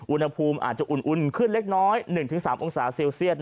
อุณหภูมิอาจจะอุ่นขึ้นเล็กน้อย๑๓องศาเซลเซียต